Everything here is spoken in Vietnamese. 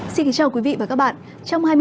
xin kính chào quý vị và các bạn